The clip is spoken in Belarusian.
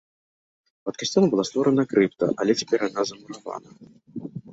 Пад касцёлам была створана крыпта, але цяпер яна замуравана.